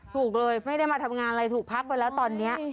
ถูกเลยไม่ได้มาทำงานอะไรถูกพักไปแล้วตอนนี้